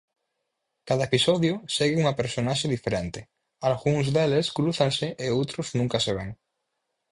Cada episodio segue unha personaxe diferente, algúns deles crúzanse e outros nunca se ven.